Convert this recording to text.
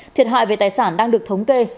thiệt hại về tài sản đang được thống kê